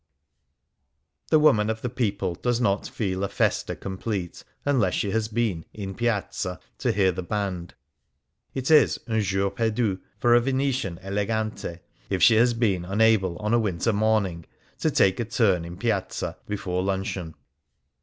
The woman of the people does not feel &Jesta complete unless she has been " in Piazza ^ to hear the band. It is unjour perdu for a Vene tian elegante^ if she has been unable, on a winter morning, to take a turn in Piazza before luncheon.